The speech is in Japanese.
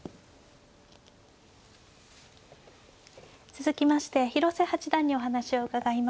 続きまして広瀬八段にお話を伺います。